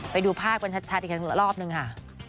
ไปดูภาพกันชัดอีกครั้งรอบนึงค่ะ